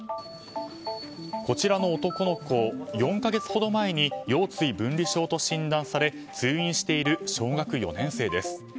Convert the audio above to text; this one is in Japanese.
こちらの男の子、４か月ほど前に腰椎分離症と診断され通院している小学４年生です。